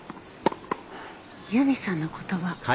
由美さんの言葉。